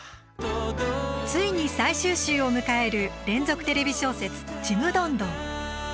ついに最終週を迎える連続テレビ小説「ちむどんどん」。